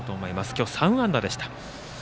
今日、３安打でした。